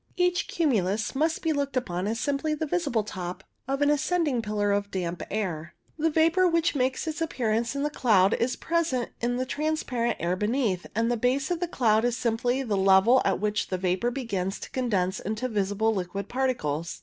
Each cumulus must be looked upon as simply the visible top of an ascending pillar of damp air. The vapour which makes its appearance in the cloud is present in the transparent air beneath, and the base of the cloud is simply the level at which that vapour begins to condense into visible liquid particles.